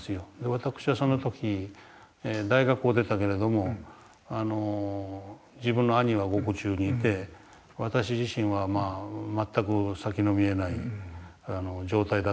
私はその時大学を出たけれども自分の兄は獄中にいて私自身は全く先の見えない状態だったんですね。